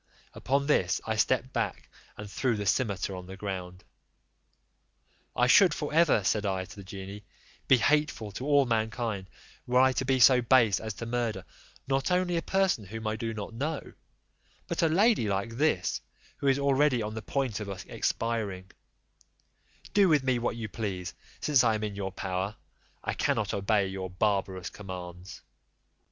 Upon this I stepped back, and threw the cimeter on the ground. "I should for ever," said I to the genie, "be hateful to all mankind were I to be so base as to murder, not only a person whom I do not know, but a lady like this, who is already on the point of expiring: do with me what you please, since I am in your power; I cannot obey your barbarous commands."